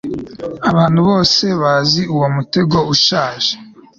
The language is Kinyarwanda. abantu bose bazi uwo mutego ushaje